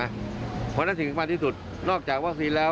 เพราะนั้นสิ่งที่ข้าม่านที่สุดนอกจากวัคซีนแล้ว